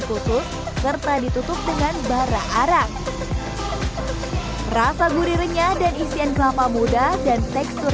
khusus serta ditutup dengan bara arang rasa gurih renyah dan isian kelapa muda dan tekstur